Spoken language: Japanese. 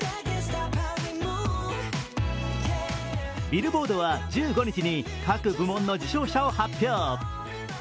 ビルボードは１５日に各部門の受賞者を発表。